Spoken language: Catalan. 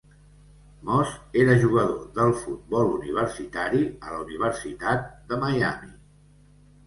Moss era jugador del futbol universitari a la Universitat de Miami.